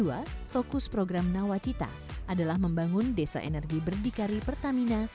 mulai dua ribu dua puluh dua fokus program nawacita adalah membangun desa energi berdikari pertamina